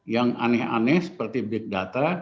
yang aneh aneh seperti big data